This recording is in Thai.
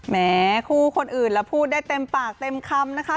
แม้คู่คนอื่นแล้วพูดได้เต็มปากเต็มคำนะคะ